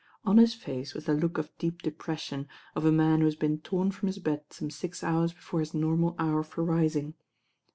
On his face was the look of deep depression of a man who has been torn from his bed some six hours before his normal hour for rising.